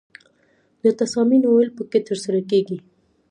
د تصامیمو نیول پکې ترسره کیږي.